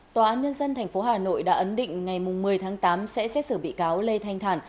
tòa án nhân dân tp hà nội đã ấn định ngày một mươi tháng tám sẽ xét xử bị cáo lê thanh thản